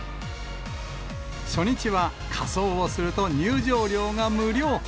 初日は仮装をすると入場料が無料。